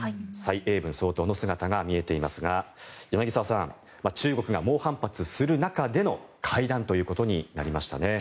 蔡英文総統の姿が見えていますが柳澤さん中国が猛反発する中での会談ということになりましたね。